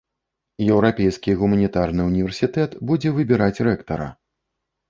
Еўрапейскі гуманітарны ўніверсітэт будзе выбіраць рэктара.